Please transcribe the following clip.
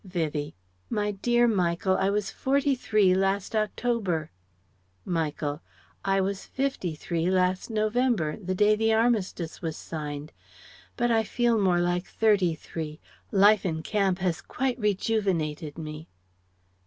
Vivie: "My dear Michael: I was forty three last October." Michael: "I was fifty three last November, the day the Armistice was signed. But I feel more like thirty three. Life in camp has quite rejuvenated me..."